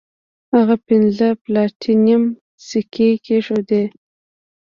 هغه پنځه د پلاټینم سکې کیښودې.